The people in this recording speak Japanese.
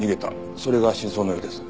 それが真相のようです。